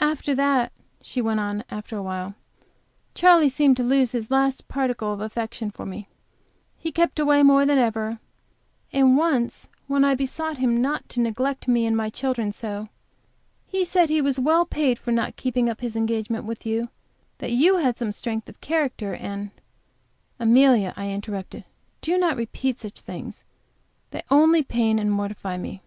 "After that," she went on, after awhile, "Charley seemed to lose his last particle of affection for me; he kept away more than ever, and once when I besought him not to neglect me and my children so, he said he was well paid for not keeping up his engagement with you, that you had some strength of character, and " "Amelia," I interrupted, "do not repeat such things. They only pain and mortify me."